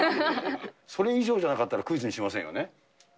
それ以上じゃなかったらクイズにしませんよね？